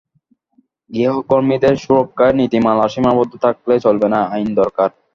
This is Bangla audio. গৃহকর্মীদের সুরক্ষায় নীতিমালায় সীমাবদ্ধ থাকলে চলবে না, আইন দরকার।